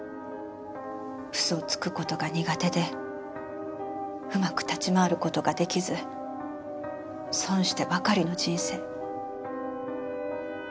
嘘をつく事が苦手でうまく立ち回る事が出来ず損してばかりの人生。